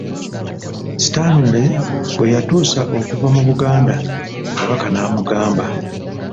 Stanley bwe yatuusa okuva mu Buganda, Kabaka n'amugamba.